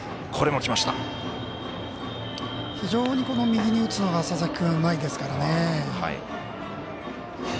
非常に右に打つのが佐々木君はうまいですからね。